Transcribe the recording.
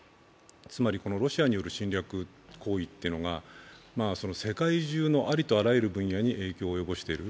つまり、ロシアによる侵略行為が世界中のありとあらゆる分野に影響を及ぼしている。